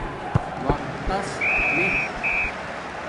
وقت تس نے